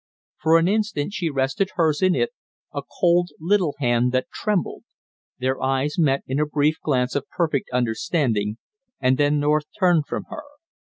For an instant she rested hers in it, a cold little hand that trembled; their eyes met in a brief glance of perfect understanding, and then North turned from her.